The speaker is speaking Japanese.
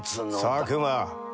佐久間。